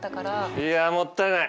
いやもったいない。